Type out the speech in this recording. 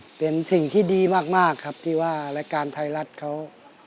เป็นสิ่งที่ดีมากครับที่ว่ารายการไทยรัฐเขา